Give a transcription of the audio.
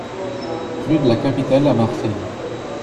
Rue de la Capitale à Marseille